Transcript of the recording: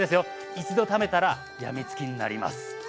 一度食べたら病みつきになります。